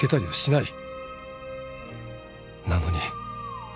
なのに